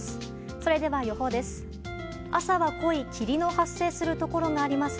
それでは、予報です。